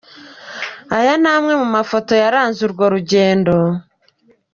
Aya ni amwe mu mafoto yaranze urwo rugendo: